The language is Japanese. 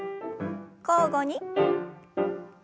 交互に。